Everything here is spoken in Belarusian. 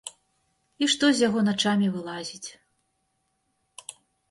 І што з яго начамі вылазіць.